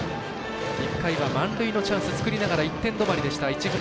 １回は満塁のチャンス作りながら１点どまりでした、市船。